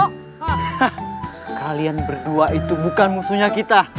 hahaha kalian berdua itu bukan musuhnya kita